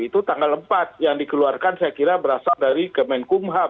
itu tanggal empat yang dikeluarkan saya kira berasal dari kemenkumham